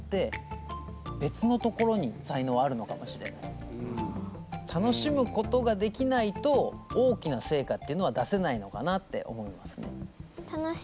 でもそこに対して楽しむことができないと大きな成果っていうのは出せないのかなって思いますね。